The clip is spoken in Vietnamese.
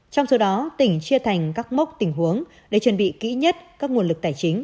trong số đó tỉnh chia thành các mốc tình huống để chuẩn bị kỹ nhất các nguồn lực tài chính